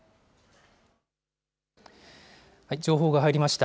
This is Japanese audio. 情報が入りました。